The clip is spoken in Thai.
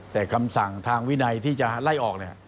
แต่คำสั่งทางวินัยที่จะไล่ออก